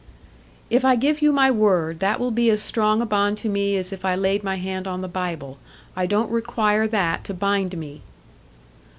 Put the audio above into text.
"If I give you my word, that will be as strong a bond to me as if I laid my hand on the Bible. I don't require that to bind me."